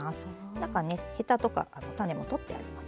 中ねヘタとか種も取ってあります。